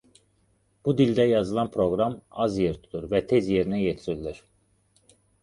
Bu dildə yazılan proqram az yer tutur və tez yerinə yetirilir.